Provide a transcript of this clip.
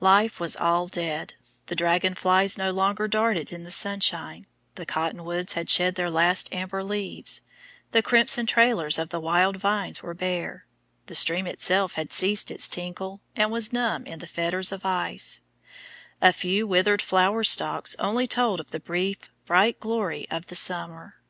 Life was all dead; the dragon flies no longer darted in the sunshine, the cotton woods had shed their last amber leaves, the crimson trailers of the wild vines were bare, the stream itself had ceased its tinkle and was numb in fetters of ice, a few withered flower stalks only told of the brief bright glory of the summer.